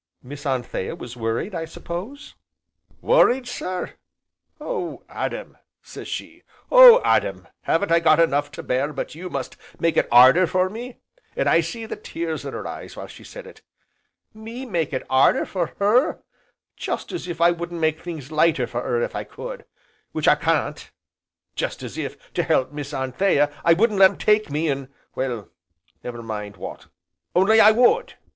"Miss Anthea was worried, I suppose?" "Worried, sir! 'Oh Adam!' sez she, 'Oh Adam! 'aven't I got enough to bear but you must make it 'arder for me?' An' I see the tears in her eyes while she said it. Me make it 'arder for her! Jest as if I wouldn't make things lighter for 'er if I could, which I can't; jest as if, to help Miss Anthea, I wouldn't let 'em take me an' well, never mind what, only I would!"